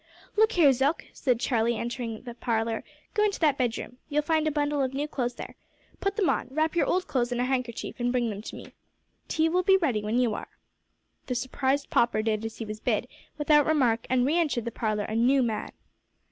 "Look here, Zook," said Charlie, entering his parlour, "go into that bedroom. You'll find a bundle of new clothes there. Put them on. Wrap your old clothes in a handkerchief, and bring them to me. Tea will be ready when you are." The surprised pauper did as he was bid, without remark, and re entered the parlour a new man!